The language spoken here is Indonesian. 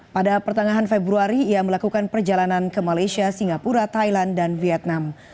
pada pertengahan februari ia melakukan perjalanan ke malaysia singapura thailand dan vietnam